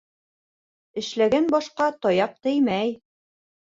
Эшләгән башҡа таяҡ теймәй.